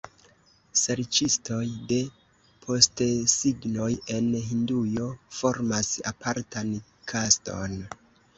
Serĉistoj de postesignoj en Hindujo formas apartan kaston.